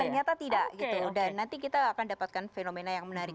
ternyata tidak gitu dan nanti kita akan dapatkan fenomena yang menarik